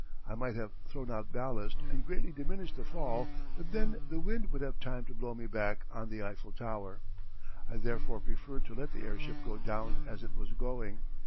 I might have thrown out ballast and greatly diminished the fall, but then the wind would have time to blow me back on the Eiffel Tower. I therefore preferred to let the airship go down as it was going.